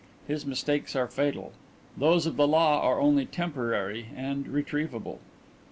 His mistakes are fatal; those of the Law are only temporary and retrievable."